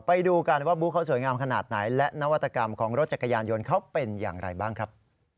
ไปดูกันว่าบู๊เขาสวยงามขนาดไหนและนวัตกรรมของรถจักรยานยนต์เขาเป็นอย่างไรบ้างครับ